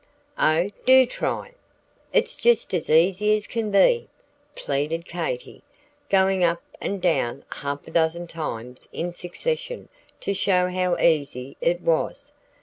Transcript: "Oh, do try! It's just as easy as can be," pleaded Katy, going up and down half a dozen times in succession to show how easy it was.